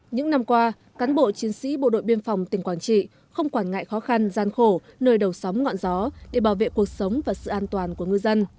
những năm qua cán bộ chiến sĩ bộ đội biên phòng tỉnh quảng trị không quản ngại khó khăn gian khổ nơi đầu sóng ngọn gió để bảo vệ cuộc sống và sự an toàn của ngư dân